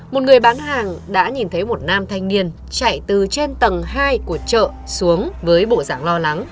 một người bán hàng đã nhìn thấy một nam thanh niên chạy từ trên tầng hai của chợ xuống với bộ dạng lo lắng